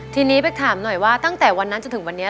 ทีนี้ไปถามหน่อยว่าตั้งแต่วันนั้นจนถึงวันนี้